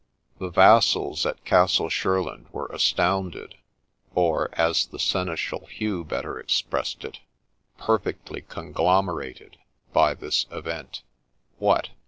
The vassals at Castle Shurland were astounded, or, as the Seneschal Hugh better expressed it, ' perfectly conglomerated,' by this event. What